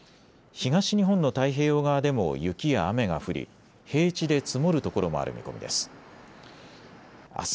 東日本の太平洋側でも雪や雨が降り平地で積もるところもある見込みです。